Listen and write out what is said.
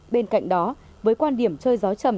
bên cạnh đó với quan điểm chơi gió trầm